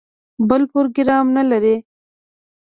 بل پروګرام نه لري.